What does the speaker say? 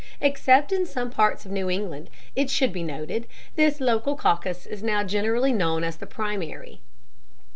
Except in some parts of New England, it should be noted, this local caucus is now generally known as the primary.